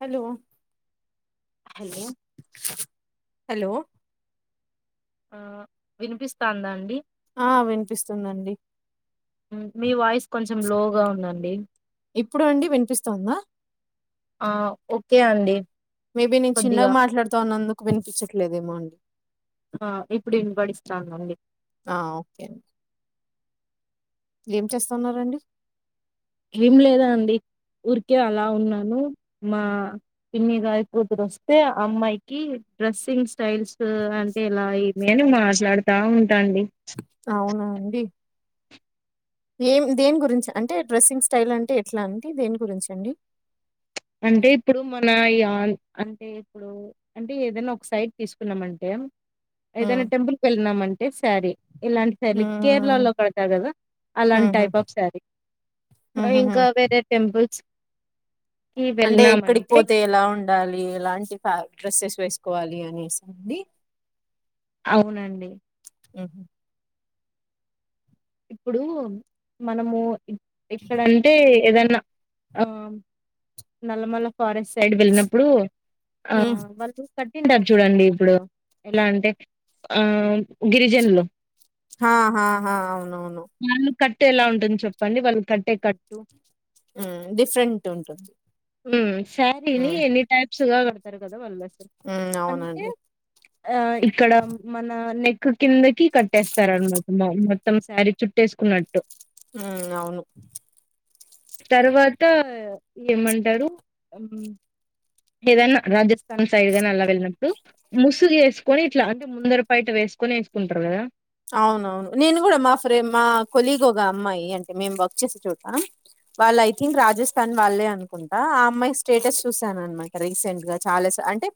Hello hello hello ఆ వినిపిస్తాందా అండి? ఆ వినిపిస్తుందండీ. మీ వాయిస్ కొంచెం లోగా ఉందండి. ఇప్పుడూ అండి వినిపిస్తోందా? ఆ ఓకే అండి మేబీ నేను కొద్దిగా చిన్నగా మాట్లాడుతా ఉన్నందుకు వినిపించట్లేదేమో అండి. ఆ ఇప్పుడు వినపడిస్తాందండీ. ఆ ఓకే ఏం చేస్తున్నారండి? ఏమి లేదండి ఊరికే అలా ఉన్నాను. మా పిన్ని గారు కూతురు వస్తే ఆ అమ్మాయికి డ్రెస్సింగ్ స్టైల్స్ అంటే ఇలా ఇ నేను మాట్లాడుతా ఉంటాండి. అవునా అండి ఏం దేని గురించి అంటే డ్రెస్సింగ్ స్టైల్ అంటే ఎట్లా అండి దేని గురించి అండి? అంటే ఇప్పుడు మన ఈ అంటే ఇప్పుడు అంటే ఏదైనా ఒక సైడ్ తీసుకున్నామంటే ఉమ్ ఏదైనా టెంపుల్ కి వెళ్ళినామంటే శారీ ఇలాంటి శారీ ఉమ్ కేరళలో కడతారు కదా, అలాంటి ఉహు టైప్ ఆఫ్ శారీ. ఉహుహు ఇంకా వేరే టెంపుల్స్ అంటే ఎక్కడికి పోతే ఎలా ఉండాలి. ఎలాంటి డ్రెస్సెస్ వేసుకోవాలి అనేసండి. అవునండి ఉ ఇప్పుడు మనము ఇక్కడంటే ఏదన్నా ఆ నల్లమల ఫారెస్ట్ సైడ్ వెళ్ళినప్పుడు ఆ ఉమ్ వాళ్ళు కట్టింటారు చూడండి ఇప్పుడు ఎలా అంటే ఆ గిరిజనులు హా హాహా అవునవును. మనం కట్టేలా కట్టు ఎలా ఉంటుంది చెప్పండి వాళ్ళు కట్టే కట్టు డిఫరెంట్ ఉంటుంది. శారీని ఉమ్ ఎన్ని టైప్స్ గా కడతారు కదా? వాళ్ళుసలు ఉమ్ అంటే అవునండి ఆ ఇక్కడ మన నెక్ కిందకి కట్టేస్తారనమాట మొత్తం శారీ చుట్టేసుకున్నట్టు. మ్ అవును తర్వాత ఏమంటారు? ఏదన్నా రాజస్థాన్ సైడ్గాని అలా వెళ్ళినప్పుడు ముసుగు వేసుకొని ఇట్లా అంటే ముందర పయట వేసుకొని వేసుకుంటారు కదా? అవునవును నేను కూడా మా ఫ్రెండ్ మా కొలీగ్ ఒక అమ్మాయి అంటే మేము వర్క్ చేసే చోట వాళ్ళు ఐ థింక్ రాజస్థాని వాళ్ళే అను కుంటా ఆ అమ్మాయి స్టేటస్ చూసాను అన్నమాట రీసెంట్ గా చాలా అంటే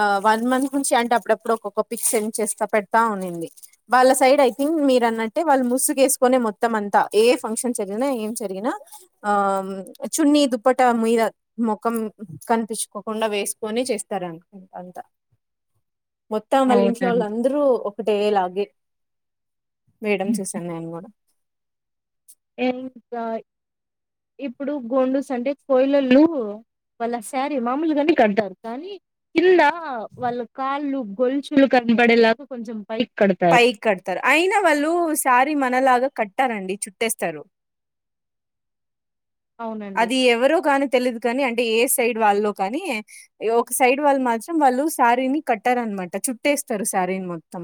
ఆ వన్ మంత్ నుంచి అంటే అప్పుడప్పుడు ఒక్కొక్క పిక్ సెండ్ చేస్తా పెడతా ఉన్నింది. వాళ్ళ సైడ్ అయితే, ఐ థింక్ మీరు అన్నట్టే వాళ్ళు ముసుగువేసుకొనే మొత్తం అంతా ఏ ఫంక్షన్ జరిగినా, ఏం జరిగినా. ఆ చున్నీ దుప్పట మీద మొఖం కనిపించుకోకుండా వేసుకొని చేస్తారు అనుకు మొత్తం వాళ్ళ ఇంట్లో వాళ్ళ అవునండి. అందరూ ఒకటేలాగే వేయడం చూశాను నేను కూడా ఇంకా ఇప్పుడు గోండుస్ అంటే కోయిలోలు వాళ్ళ శారీ మామూలుగానే కడతారు కానీ కింద వాళ్ళు కాళ్ళు గొల్చులు కనపడేలాగా కొంచెం పైకి కడతారు పైకి కడతారు అయిన వాళ్ళు శారీ మనలాగా కట్టరండి చుట్టేస్తారు అవునండి అది ఎవరో కానీ తెలిదు కానీ అంటే ఏ సైడ్ వాలో కానీ ఇగ ఒక సైడ్ వాళ్ళు మాత్రం వాళ్ళు శారీని కట్టారనమాట చుట్టేస్తారు శారీని మొత్తం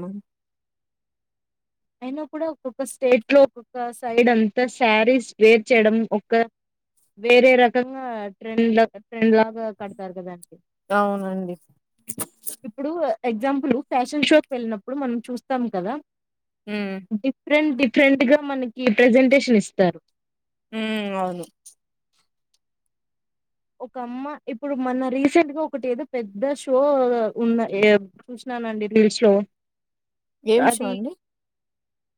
అయినా కూడా ఒక్కొక్క స్టేట్ లో ఒక్కొక్క సైడ్ అంతా శారీస్ వేర్ చేయడం ఒక వేరే రకంగా ట్రెండ్ ట్రెండ్ లాగా కడతారు కదండి అవునండి ఇప్పుడు ఎగ్జాంపుల్ ఫ్యాషన్ షోకి వెళ్ళినప్పుడు మనం చూస్తాం కదా ఊ డిఫరెంట్ డిఫరెంట్ గా మనకి ప్రెజెంటేషన్ ఇస్తారు ఊ అవును ఒక అమ్మ ఇప్పుడు మన రీసెంట్ గా ఒకటి ఏదో పెద్ద షో ఉన్న ఏం చూసినానండి రీల్స్ లో ఏం షో అది అండి?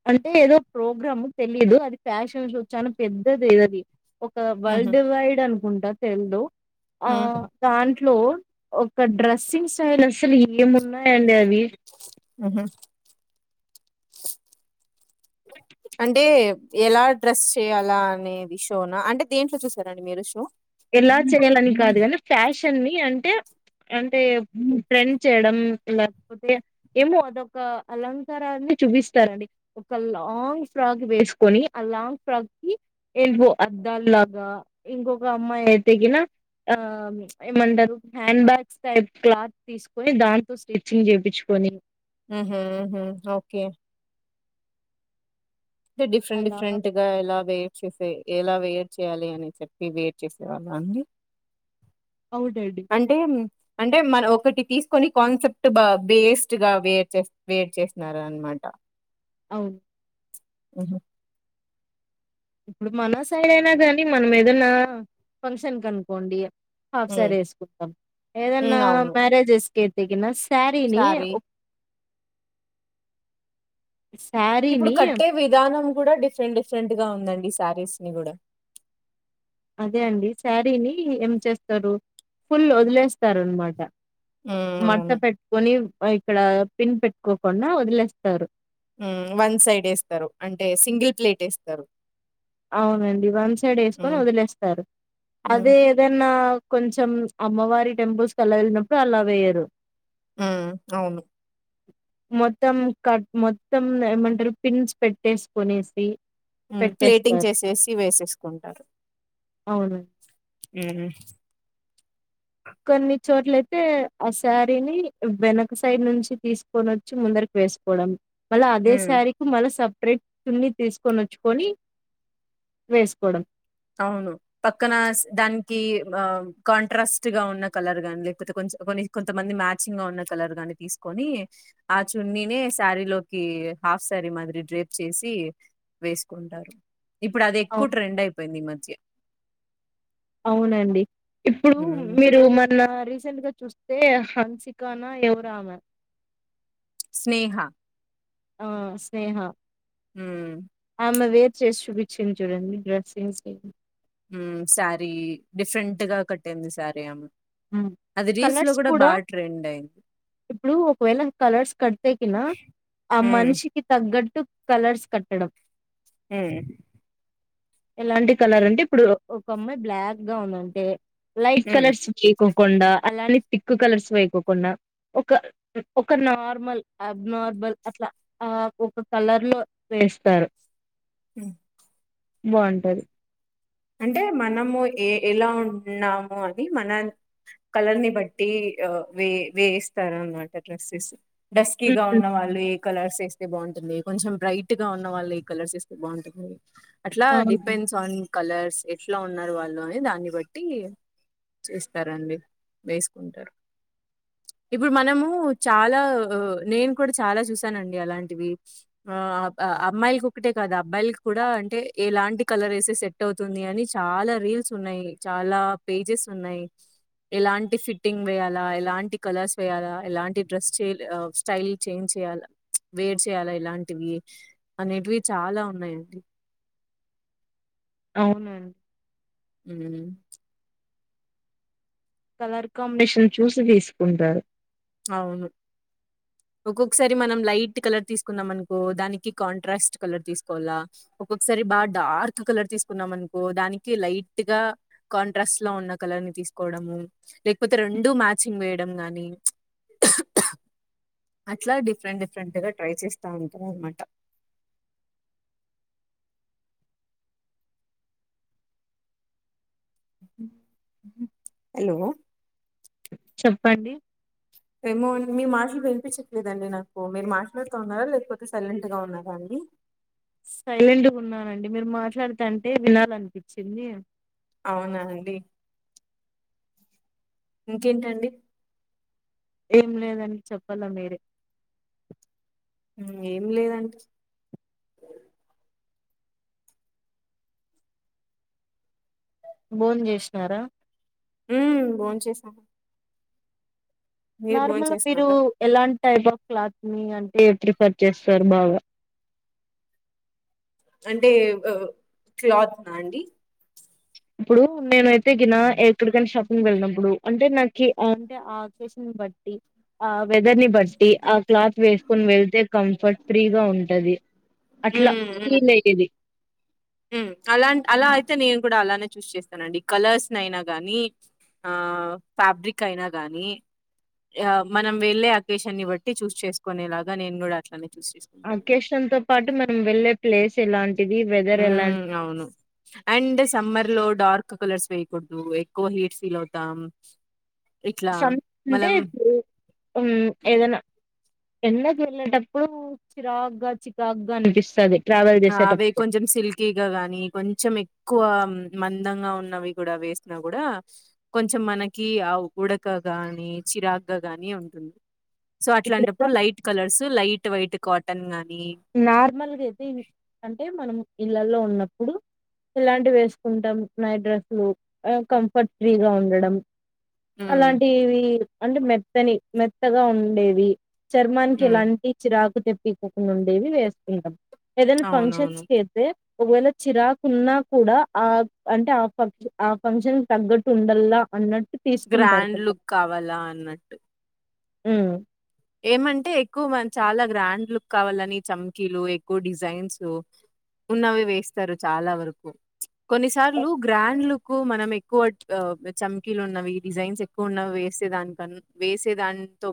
అంటే ఏదో ప్రోగ్రామ్ తెలీదు అది ఫ్యాషన్ షో చాన పెద్దది అది ఒక హుహు. వరల్డ్ వైడ్ అనుకుంటా తెలిదు ఆ హ్మ్. దాంట్లో ఒక డ్రెస్సింగ్ స్టైల్ అసలు ఏము ఉన్నాయండి అవి ఆహా అంటే ఎలా డ్రెస్ చేయాలా అనేది షోనా అంటే దేంట్లో చూసారండి మీరు షో ఎలా చేయాలని కాదు కానీ ఫ్యాషన్ని అంటే అంటే ట్రెండ్ చేయడం ఇలా పొతే ఏమో అదొక అలంకారాన్ని చూపిస్తారండి ఒక లాంగ్ ఫ్రాక్ వేసుకొని ఆ లాంగ్ ఫ్రాక్ కి ఎల్ వో అద్దలాగా ఇంకొక అమ్మాయి అయితేకిిన ఆ ప్చ్ ఏమంటారు హ్యాండ్ బ్యాగ్స్ టైప్ క్లాత్ తీసుకొని దాంతో స్టిచ్చింగ్ చేయించుకొని ఉహు ఉహు ఓకే డిఫ్రెంట్ అలా డిఫ్రెంట్ ఇగ ఎలా వెయిట్ చేసి ఎలా వెయిట్ చేయాలి అని చెప్పి వెయిట్ చేసేవాళ్ళ అండి అవుడండి అంటే అంటే మన ఒకటి తీసుకొని కాన్సెప్ట్ బ బేస్డ్ గా వేర్ చేస్ వేర్ చేసినారనమాట అవును ఉహు ఇప్పుడు మన సైడ్ అయినా కానీ మనం ఏదనా ఫంక్షన్ కు కనుకోండి ఇగ హాఫ్ హ్మ్. శారీ వేసుకుంటాం ఏదన్నా హ్మ్. అవును. మ్యారేజెస్కయితగిన శారీని శారీ. సారి ఇప్పుడు కట్టే విధానం కూడా డిఫరెంట్ డిఫరెంట్ గా ఉందండి శారీస్ ని కూడా అదే అండి శారీని ఏం చేస్తారు ఫుల్ వదిలేస్తారు అనమాట హ్మ్. మడత అవును. పెట్టుకొని ఇక్కడ పిన్ పెట్టుకోకుండా వదిలేస్తారు వన్ సైడ్ వేస్తారు. అంటే సింగిల్ ప్లేట్ వేస్తారు. అవునండి వన్ సైడ్ వేసుకొని హ్మ్. వదిలేస్తారు హ్మ్. అదే. ఏదన్నా కొంచెం అమ్మవారి టెంపుల్స్ కలా వెళ్ళినప్పుడు అలా వేయరు. మ్ అవును మొత్తం కట్ మొత్తం ఏమంటారు పిన్స్ పెట్టేసుకునేద్ది. ప్లేటింగ్ చేసేసి వేసేసుకుంటారు. అవును. కొన్ని చోట్లయితే ఆ శారీని వెనక సైడ్ నుంచి తీసుకొని వచ్చి ముందరకి వేసుకోవడం మళ్ళా అదే హ్మ్. శారీ కి మళ్ళీ సెపరేట్ చున్నీ తీసుకొని వచ్చుకొని వేసుకోవడం. అవును పక్కన దానికి ఆ కాంట్రాస్ట్ గా ఉన్న కలర్ గాని లేకపోతే కొంచం కొని కొంతమంది మ్యాచింగ్ గా ఉన్న కలర్ గాని తీసుకొని ఆ చున్నీనే, శారీలోకి హాఫ్ శారీ మాదిరి డ్రేప్ చేసి వేసుకుంటారు. ఇప్పుడు అది ఎక్కువ అవును. ట్రెండ్ అయిపోయింది ఈ మధ్య అవునండి ఇప్పుడు హ్మ్. మీరు మొన్న రీసెంట్గా చూస్తే హన్సికనా ఎవరామె స్నేహ ఆ స్నేహ మ్ ఆమెది చేసి చూపించింది చూడండి డ్రెస్సింగ్స్ శారీ డిఫరెంట్ గా కట్టింది శారీ ఆమె మ్ అది రీల్స్‌లో కలర్స్ బా కూడా ట్రెండ్ అయింది. ఇప్పుడు ఒకవేళ కలర్స్ కట్టితేకినా ఆ హ్మ్. మనిషి కి తగ్గట్టు కలర్స్ కట్టడం మ్ ఎలాంటి కలర్ అంటే ఇప్పుడు ఒక అమ్మాయి బ్లాక్ గా ఉందంటే లైట్ హ్మ్. కలర్స్ వేయికోకుండా అలాని తిక్ కలర్స్ వేయకోకుండా ఒక ఒక నార్మల్ అబ్ నార్మల్ అట్లా ఆ ఒక కలర్ లో వేస్తారు మ్ బాగుంటాది. అంటే మనము ఏ ఎలా ఉన్నామో అని మన కలర్ ని బట్టి ఆ వే వేయిస్తారన్నమాట డ్రెస్సెస్. డస్కకీ గా హ్మ్. ఉన్నవాళ్లు వాళ్ళు ఏ కలర్సేస్తే బాగుంటుంది కొంచెం బ్రైట్ గా ఉన్న వాళ్ళే కలర్సేస్తే బాగుంటుంది. అట్లా అవును డిపెండ్స్ ఆన్ కలర్స్ ఎట్లా ఉన్నారు వాళ్ళు అని దాన్ని బట్టి. చేస్తారండి వేసుకుంటారు. ఇప్పుడు మనము చాలా నేను కూడా చాలా చూసానండి అలాంటివి. ఆ అమ్మాయిలకి ఒక్కటే కాదు అబ్బాయిలకి కూడా అంటే ఎలాంటి కలర్ ఏసే సెట్ ట్ అవుతుంది అని చాలా రీల్స్ ఉన్నాయి. చాలా పేజెస్ ఉన్నాయి. ఎలాంటి ఫిట్టింగ్ వేయాలా? ఎలాంటి కలర్స్ వేయాలా? ఎలాంటి డ్రెస్ చేయ స్టైల్ చేంజ్ చేయాల వేర్ చేయాలా ఇలాంటివి అనేటివి చాలా ఉన్నాయండి. అవునా అండి మ్ కలర్ కాంబినేషన్ చూసి తీసుకుంటారు. అవును ఒక్కొక్కసారి మనం లైట్ కలర్ తీసుకుందాం అనుకో దానికి కాంట్రాస్ట్ కలర్ తీసుకోవాల ఒక్కొక్కసారి బాగా డార్క్ కలర్ తీసుకున్నాం అనుకో దానికి లైట్ గా కాంట్రాస్ట్ లో ఉన్న కలర్ ని తీసుకోవడము లేకపోతే రెండు మ్యాచింగ్ వేయడం గాని అట్లా డిఫరెంట్ డిఫరెంట్ గా ట్రై చేస్తా ఉంటారు అనమాట హలో చెప్పండి ఏమో మీ మాటలు వినిపించట్లేదండి నాకు మీరు మాట్లాడుతూ ఉన్నారా లేకపోతే సైలెంట్ గా ఉన్నారా అండి సైలెంట్గా ఉన్నానండి మీరు మాట్లాడుతాంటే వినాలనిపించింది అవునా అండి ఇంకేంటండి ఏం లేదండి చెప్పాల మీరే ఏం లేదండి భోంచేసినారా ఉమ్ భోంచేసాం భోన్ నార్మల్ మీరు చేసినారా ఎలాంటి టైప్ ఆఫ్ క్లాత్ ని అంటే ప్రిఫర్ చేస్తారు బాగా అంటే ఆ క్లాత్నా అండి ఇప్పుడు నేనయితే గిన ఎక్కడికైనా షాపింగ్ వెళ్ళినప్పుడు అంటే నాకి అంట అకేషన్ బట్టి ఆ వెదర్ ని బట్టి ఆ క్లాత్ వేసుకొని వెళ్తే కంఫర్ట్ ఫ్రీగా ఉంటది అట్లా ఫీల్ అయ్యేది ఉమ్ అలా అలా అయితే నేను కూడా అలానే చూస్ చేస్తానండి కలర్స్ నయినా గాని ఆ ఫ్యాబ్రిక్ అయినా గాని యా మనం వెళ్లే అకేషన్ ని బట్టి చూస్ చేసుకునేలాగా నేను కూడా అట్లనే చూస్ చేసుకు అకేషన్ తో పాటు మనం వెళ్లే ప్లేస్ ఎలాంటిది వెదర్ ఎలాంటి హ్మ్. అవును అండ్ సమ్మర్ లో డార్క్ కలర్స్ వేయకూడదు ఎక్కువ హీట్ ఫీల్ అవుతాం ఇట్లా సమ్ అంటే మనం ఇప్పుడు ఉమ్ ఏదైనా ఎండకెళ్ళెటప్పుడు చిరాగ్గా చికాగ్గా అనిపిస్తది ట్రావెల్ చేసేటప్పుడు గీగానీ కొంచెం ఎక్కువ మందంగా ఉన్నవి కూడా వేసినా కూడా కొంచెం మనకి ఆ ఉడక గాని చిరాగ్గా గాని ఉంటుంది సో ఇప్పుడు అట్లాంటప్పుడు light colours light white cotton గాని నార్మల్గా అయితే ఇన్ అంటే మనం ఇళ్లల్లో ఉన్నప్పుడు ఇలాంటివి వేసుకుంటాం నైట్ డ్రెస్ లు కంఫర్ట్ ఫ్రీగా ఉండడం హ్మ్. అలాంటివి అంటే మెత్తని మెత్తగా ఉండేవి చర్మానికి హ్మ్. ఎలాంటి చిరాకు తెప్పివ్వకుండా ఉండేవి వేస్కుంటం ఏదైనా ఫంక్షన్స్ అవునవును. కేతే ఒకవేళ చిరాకు ఉన్నా కూడా ఆ అంటే ఆ ఫంక్ష ఆ ఫంక్షన్ తగ్గట్టు ఉండల్లా అన్నట్టు తీసుకుంటారు గ్రాండ్ లుక్ కొంతమంది కావాలా అన్నట్టు ఉమ్ ఏమంటే ఎక్కువ మన్ చాలా గ్రాండ్ లుక్ కావాలని చంకీలు ఎక్కువ డిజైన్స్ ఉన్నవి వేస్తారు చాలా వరకు కొన్నిసార్లు గ్రాండ్ లుక్ మనం ఎక్కువ ఆ చమకీలు ఉన్నవి డిజైన్స్ ఎక్కువ ఉన్నావి వేసే దానికన్నా వేసే దాంతో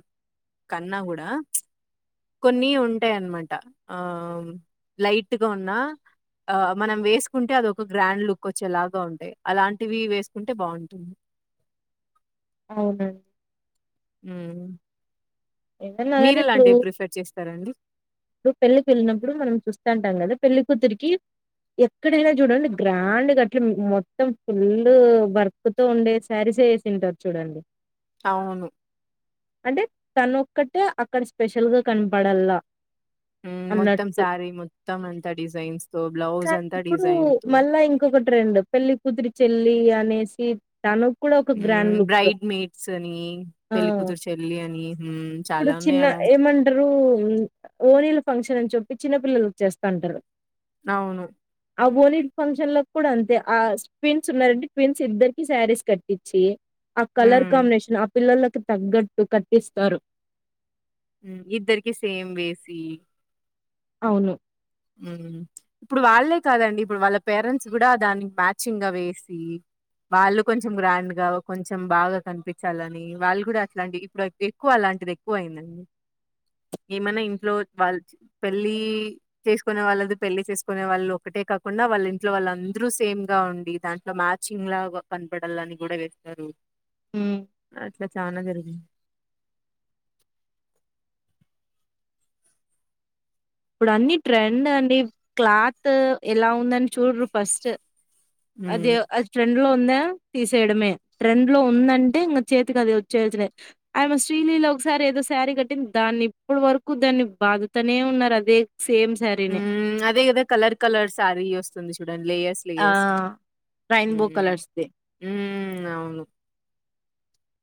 కన్నా కూడా కొన్ని ఉంటాయన్నమాట ఆ లైట్ గా ఉన్న ఆ మనం వేసుకుంటే అదొక గ్రాండ్ లుక్కొచ్చేలాగా ఉంటాయి అలాంటివి వేసుకుంటే బాగుంటుంది అవును ఉమ్ ఏదన్నా గాని ఇప్పుడు మీరెలాంటివి ప్రిఫర్ చేస్తారండి ఇప్పుడు పెళ్లికి వెళ్ళినప్పుడు మనం చూస్తాంటాం కదా పెళ్లి కూతురికి ఎక్కడైనా చూడండి గ్రాండ్గా అట్లా మొత్తం ఫుల్లు వర్క్ కుతో ఉండే శారీస్సే వేసింటారు చూడండి అవును అంటే తనొక్కటే అక్కడ స్పెషల్ గా కనపడల్లా ఉ మొత్తం అన్నట్టు. సారి మొత్తం అంతా డిజైన్స్ తో బ్లౌస్ కానీ అంతా డిజైన్ తో ఇప్పుడు ఒక ట్రెండ్ పెళ్లి కూతురి చెల్లి అనేసి తను ఉమ్ బ్రైడ్ మేట్సని ఆ! పెళ్లికూతురు చెల్లి అని ఉమ్ చాలా ఉన్నాయి అలా రు ఓనీల ఫంక్షన్ అని చెప్పి చిన్నపిల్లలకు చేస్తాంటారు అవును ఆ ఓని ఫంక్షన్ లకు కూడా అంతే ఆ ట్విన్స్ ఉన్నారంటే ట్విన్స్ ఇద్దరికి శారీస్ కట్టించి ఆ హ్మ్. కలర్ కాంబినేషన్ ఆ పిల్లలకి తగ్గట్టు కట్టిస్తారు ఉ ఇద్దరికి సేమ్ వేసి అవును ఉమ్ ఇప్పుడు వాళ్ళే కాదండి ఇప్పుడు వాళ్ళ పేరెంట్స్ కూడా దానికి మ్యాచింగ్ గా వేసి వాళ్ళు కొంచెం గ్రాండ్ గా కొంచెం బాగా కనిపించాలని వాళ్ళు కూడా అట్లాంటి ఇప్పుడు ఎక్కువ అలాంటిది ఎక్కువ అయిందండి ఏమైనా ఇంట్లో వాళ్ళ పెళ్ళి చేసుకునే వాళ్ళది పెళ్లి చేసుకునే వాళ్ళు ఒకటే కాకుండా వాళ్ళ ఇంట్లో వాళ్ళ అందరూ సేమ్గా ఉండి దాంట్లో మ్యాచి చింగ్ గా కనపడాలని కూడా వేస్తారు అట్లా చానా జరిగింది ఇప్పుడు అన్ని ట్రెండ్ అండి క్లాత్ ఎలా ఉందని చూడురు ఫస్ట్ హ్మ్. అదే అ ట్రెండ్ లో ఉందా తీసేయడమే ట్రెండ్ లో ఉందంటే ఇంకా చేతికి అది వచ్చేయాల్సిందే ఆమె శ్రీలీల ఒకసారి ఏదో శారీ కట్టింది దాన్ని ఇప్పటి వరకు దాన్ని బాధతునే ఉన్నారు అది దే సేమ్ శారీని ఉమ్ అదే కదా కలర్ కలర్ శారీ వస్తుంది చూడండి లేయర్ ఆ రైన్బో కలర్స్ దే ఉమ్ అవును